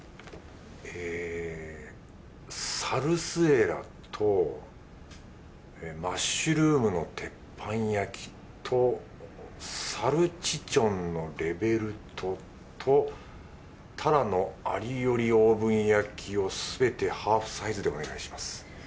えぇサルスエラとマッシュルームの鉄板焼きとサルチチョンのレヴェルトとタラのアリオリオーブン焼きをすべてハーフサイズでお願いします。